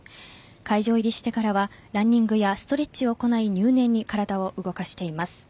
会場入りしてからはランニングやストレッチを行い入念に体を動かしています。